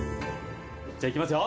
じゃあいきますよ。